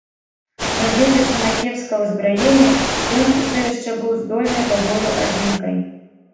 Нягледзячы на кепскае ўзбраенне, ён усё яшчэ быў здольнай да бою адзінкай.